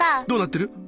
どうなってる？